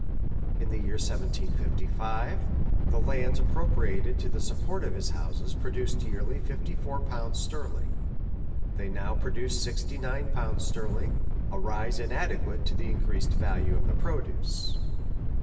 In the year 1755, the lands appropriated to the support of his houses produced yearly fifty four pounds sterling; they now produce sixty nine pounds ster ling, a rise inadequate to the increased value of the produce.